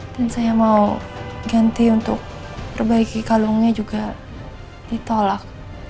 dan saya mau ganti untuk perbaiki kalungnya juga ditolak